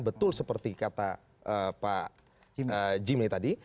betul seperti kata pak jimmy tadi